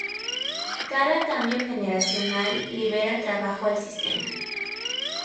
Cada cambio generacional libera trabajo al sistema.